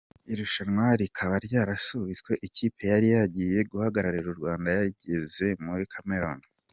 Irushanwa rikaba ryasubitswe ikipe yari yagiye guhagararira u Rwanda yageze muri Cameroun.